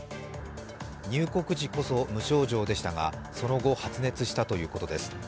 入国時こそ無症状でしたがその後、発熱したということです。